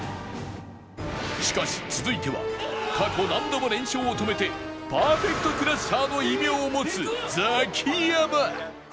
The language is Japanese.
しかし続いては過去何度も連勝を止めてパーフェクトクラッシャーの異名を持つザキヤマ